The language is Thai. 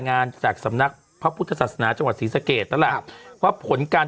งานจากสำนักพระพุทธศาสนาจังหวัดศรีสะเกดแล้วล่ะว่าผลการ